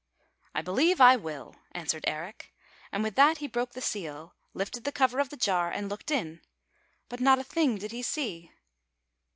" I believe I will," answered Eric, and with that he broke the seal, lifted the cover of the jar, and looked in. But not a thing did he see!